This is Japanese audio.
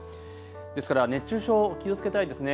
ですから熱中症気をつけたいですね。